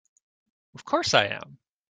Of course I am!